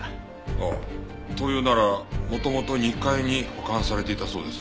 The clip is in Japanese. ああ灯油なら元々２階に保管されていたそうです。